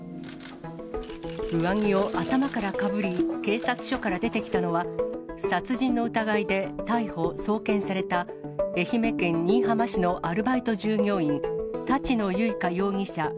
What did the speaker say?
上着を頭からかぶり、警察署から出てきたのは、殺人の疑いで逮捕・送検された、愛媛県新居浜市のアルバイト従業員、立野由香容疑者